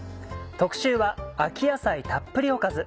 特集は「秋野菜たっぷりおかず」。